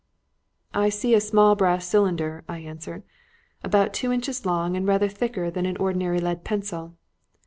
"I see a small brass cylinder," I answered, "about two inches long and rather thicker than an ordinary lead pencil.